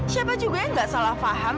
siapa juga yang gak salah paham